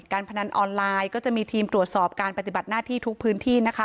พนันออนไลน์ก็จะมีทีมตรวจสอบการปฏิบัติหน้าที่ทุกพื้นที่นะคะ